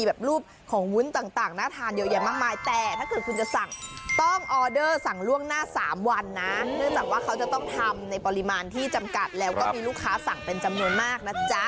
เออยอมแล้วมีถวงออก